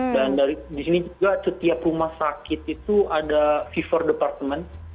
dan di sini juga setiap rumah sakit itu ada vivor department